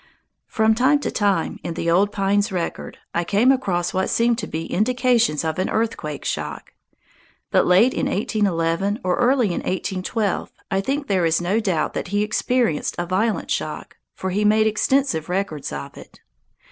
From time to time in the old pine's record, I came across what seemed to be indications of an earthquake shock; but late in 1811 or early in 1812, I think there is no doubt that he experienced a violent shock, for he made extensive records of it.